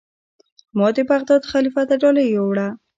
ما د بغداد خلیفه ته ډالۍ یووړه.